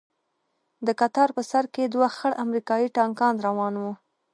د کتار په سر کښې دوه خړ امريکايي ټانکان روان وو.